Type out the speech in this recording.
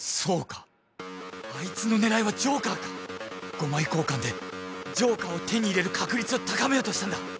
５枚交換でジョーカーを手に入れる確率を高めようとしたんだ